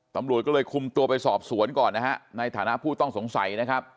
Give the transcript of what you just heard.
ตำรวจก็เลยคุมตัวไปสอบสวนก่อนนะฮะในฐานะผู้ต้องสงสัยนะครับ